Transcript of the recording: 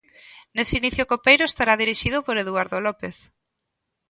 Nese inicio copeiro estará dirixido por Eduardo López.